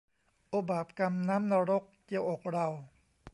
โอ้บาปกรรม น้ำนรก เจียวอกเรา